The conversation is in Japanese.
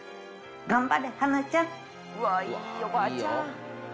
頑張れ、英ちゃん！